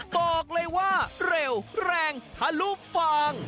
บอกเลยว่าเร็วแรงทะลุฟาง